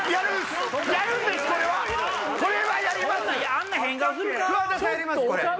あんな変顔するか？